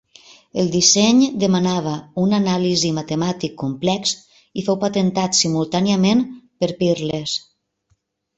El disseny demanava un anàlisi matemàtic complex i fou patentat simultàniament per Peerless.